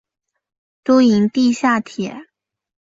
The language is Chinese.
都营地下铁